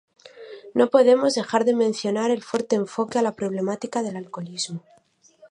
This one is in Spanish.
No podemos dejar de mencionar el fuerte enfoque a la problemática del alcoholismo.